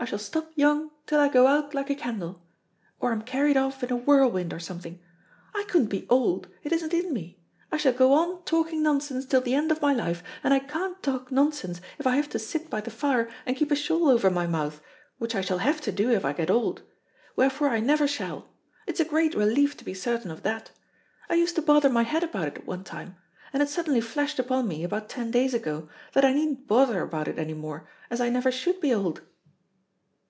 I shall stop young till I go out like a candle, or am carried off in a whirlwind or something. I couldn't be old; it isn't in me. I shall go on talking nonsense till the end of my life, and I can't talk nonsense if I have to sit by the fire and keep a shawl over my mouth, which I shall have to do if I get old. Wherefore I never shall. It's a great relief to be certain of that. I used to bother my head about it at one time! and it suddenly flashed upon me, about ten days ago, that I needn't bother about it any more, as I never should be old."